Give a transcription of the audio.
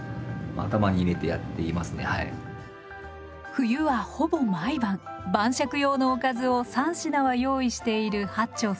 冬はほぼ毎晩晩酌用のおかずを３品は用意している八町さん。